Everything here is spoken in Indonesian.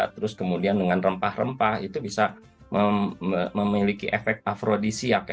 terus kemudian dengan rempah rempah itu bisa memiliki efek afrodisiak ya